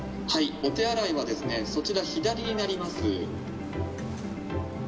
お手洗いはですね、そちら、左になります。